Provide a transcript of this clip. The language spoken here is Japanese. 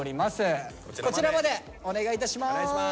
こちらまでお願いいたします。